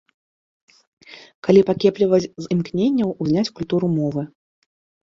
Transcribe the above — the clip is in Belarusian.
Калі пакепліваць з імкненняў узняць культуру мовы.